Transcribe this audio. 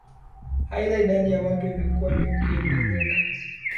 Aidha idadi ya watu imekua ikiongezeka